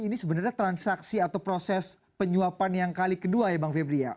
ini sebenarnya transaksi atau proses penyuapan yang kali kedua ya bang febri ya